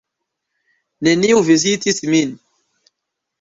Neniu vizitis min.